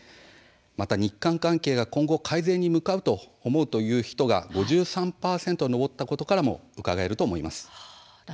また日韓関係が今後改善に向かうと思うという人が５３％に上ったことからもうかがえると思います。